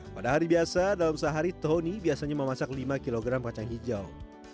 pada hari biasa dalam sehari tony biasanya memasak lima kg kacang hijau